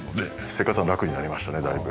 生活は楽になりましたねだいぶ。